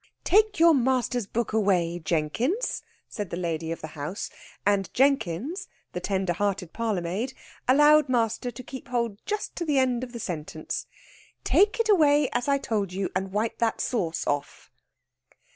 "Take your master's book away, Jenkins," said the lady of the house. And Jenkins, the tender hearted parlourmaid, allowed master to keep hold just to the end of the sentence. "Take it away, as I told you, and wipe that sauce off!"